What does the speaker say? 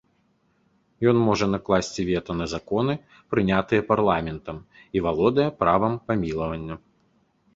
Ён можа накласці вета на законы, прынятыя парламентам і валодае правам памілавання.